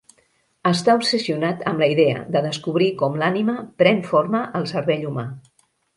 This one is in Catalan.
Està obsessionat amb la idea de descobrir com l'ànima pren forma al cervell humà.